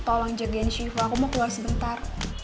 tolong jagain siva aku mau keluar sebentar